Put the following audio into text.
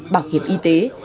bảo hiệp y tế